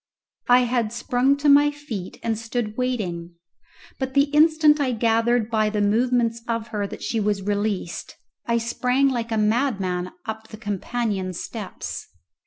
I had sprung to my feet and stood waiting. But the instant I gathered by the movements of her that she was released I sprang like a madman up the companion steps.